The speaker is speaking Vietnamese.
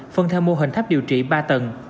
phân theo mô hình tháp điều trị ba tầng